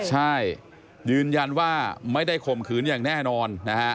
ใช่ยืนยันว่าไม่ได้ข่มขืนอย่างแน่นอนนะฮะ